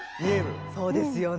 そうですよね。